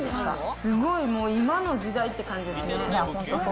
すごい、もう今の時代って感じですね。